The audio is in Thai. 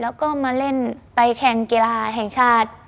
แล้วก็มาเล่นไปแข่งกีฬาแห่งชาติ